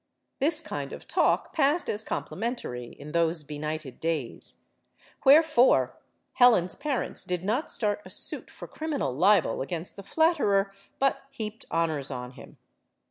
This kind of talk passed as complimentary in those benighted days. Where fore, Helen's parents did not start a suit for criminal Ubel against the flatterer, but heaped honors on him.